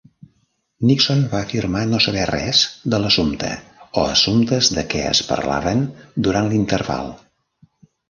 Nixon va afirmar no saber res de l'assumpte o assumptes de què es parlaven durant l'interval.